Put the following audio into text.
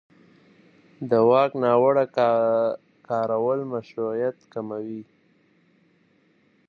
د واک ناوړه کارول مشروعیت کموي